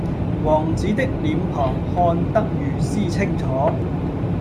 王子的臉龐看得如斯清楚